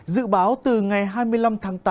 dự báo từ ngày hai mươi năm tháng tám